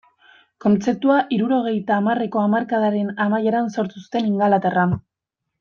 Kontzeptua hirurogeita hamarreko hamarkadaren amaieran sortu zuten Ingalaterran.